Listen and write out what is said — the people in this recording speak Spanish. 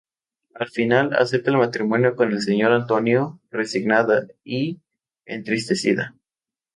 Al final acepta el matrimonio con el Señor Antonio, resignada y entristecida.